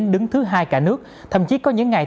đứng thứ hai cả nước thậm chí có những ngày